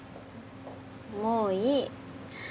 もういい。